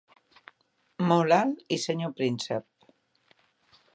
Molt alt i senyor príncep.